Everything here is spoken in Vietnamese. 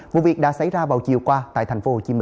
vụ việc đã xảy ra vào chiều qua tại tp hcm